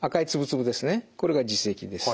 これが耳石です。